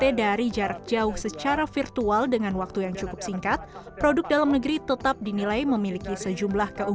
terima kasih dari jarak jauh secara virtual dengan waktu yang cukup singkat produk dalam negeri tetap dinilai memiliki sejumlah keuntungan